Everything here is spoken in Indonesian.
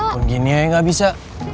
pun gini aja gak bisa